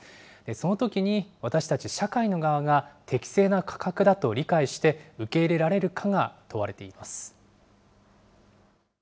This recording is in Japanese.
そのときに私たち社会の側が、適正な価格だと理解して、受け入れられるかが問われています。